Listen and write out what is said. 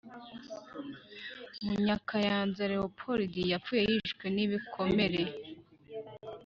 Munyakayanza Leopold yapfuye yishwe nibikomere